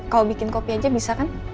kalau bikin kopi aja bisa kan